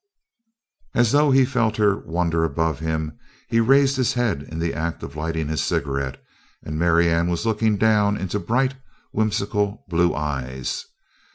As though he felt her wonder above him, he raised his head in the act of lighting his cigarette and Marianne was looking down into bright, whimsical blue eyes.